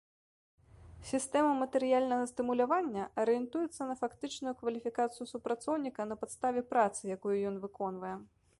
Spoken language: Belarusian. Сістэма матэрыяльнага стымулявання арыентуецца на фактычную кваліфікацыю супрацоўніка на падставе працы, якую ён выконвае.